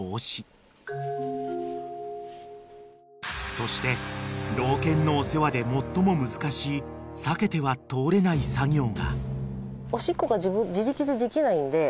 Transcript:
［そして老犬のお世話で最も難しい避けては通れない作業が］